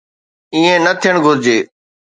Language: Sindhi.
ائين نه ٿيڻ گهرجي.